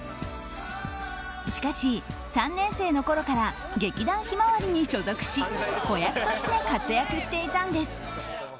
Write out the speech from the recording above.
しかし、３年生のころから劇団ひまわりに所属し子役として活躍していたんです。